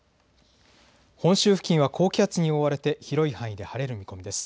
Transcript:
本州付近は高気圧に覆われて広い範囲で晴れる見込みです。